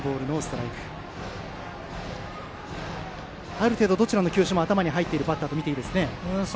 ある程度、どちらの球種も頭に入っているバッターとみて、いいですね？